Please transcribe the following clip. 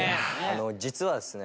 実はですね